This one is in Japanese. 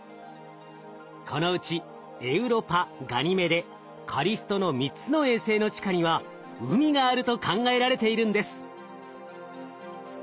このうちエウロパガニメデカリストの３つの衛星の地下には海があると考えられているんです。